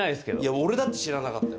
俺だって知らなかったよ。